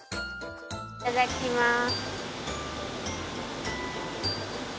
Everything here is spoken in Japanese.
いただきます。